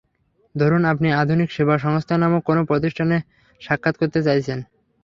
ধরুন আপনি আধুনিক সেবা সংস্থা নামক কোনো প্রতিষ্ঠানে সাক্ষাৎ করতে চাইছেন।